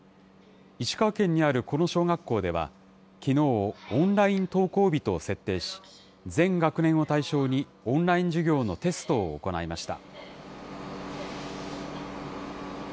石川県にあるこの小学校では、きのうをオンライン登校日と設定し、全学年を対象にオンライン授業のテストを行いました。